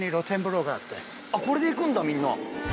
これで行くんだみんな。